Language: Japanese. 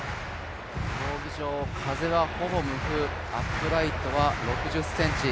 競技場、風はほぼ無風、アップライト６０ｃｍ。